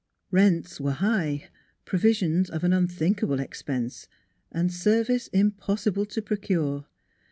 Rents were high, pro visions of an unthinkable expense, and service im possible to procure.